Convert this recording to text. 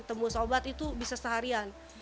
temu sobat itu bisa seharian